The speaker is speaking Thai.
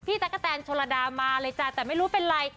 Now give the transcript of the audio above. ตั๊กกะแตนโชลดามาเลยจ้ะแต่ไม่รู้เป็นไร